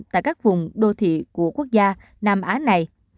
tại các vùng đô thị của quốc gia nam á này